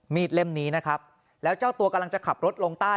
เล่มนี้นะครับแล้วเจ้าตัวกำลังจะขับรถลงใต้